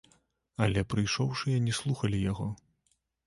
Але прыйшоўшыя не слухалі яго.